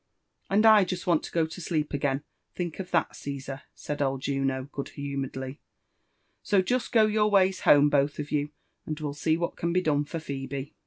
.'* And I just want to go to sleep again — think of that, Caesar /'said old Juno good humouredly ;'' so just go your ways hone, both of yen, and we'll see what ean be done for Phebe."